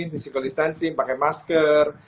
physical distancing pakai masker